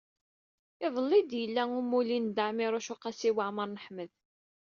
Iḍelli ay d-yella umulli n Dda Ɛmiiruc u Qasi Waɛmer n Ḥmed.